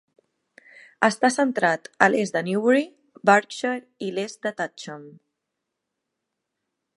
Està centrat a l'est de Newbury, Berkshire i l'est de Thatcham.